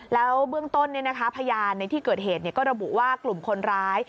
แล้วเบื้องต้นพยานในที่เกิดเหตุก็ระบุว่ากลุ่มคนร้าย